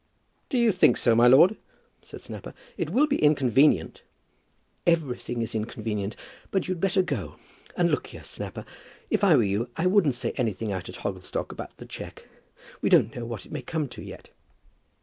"Do you think so, my lord?" said Snapper. "It will be inconvenient." "Everything is inconvenient; but you'd better go. And look here, Snapper, if I were you, I wouldn't say anything out at Hogglestock about the cheque. We don't know what it may come to yet."